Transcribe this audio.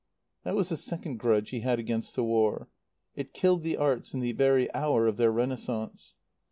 That was the second grudge he had against the War. It killed the arts in the very hour of their renaissance.